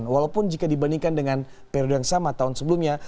walaupun jika dibandingkan dengan periode yang sama tahun sebelumnya